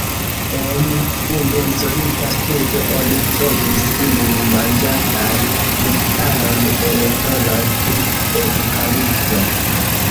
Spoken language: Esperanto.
En unu izolita studo oni trovis ilin manĝantaj nektaron el floroj de eŭkalipto.